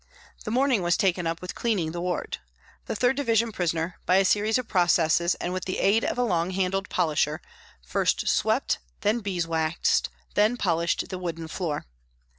The morning was taken up with cleaning the ward. The 3rd Division prisoner by a series of processes and with the aid of a long handled polisher, first swept, then beeswaxed, then polished the wooden floor.